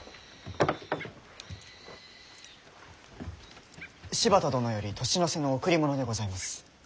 柴田殿より年の瀬の贈り物でございます。